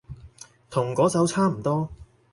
同嗰首差唔多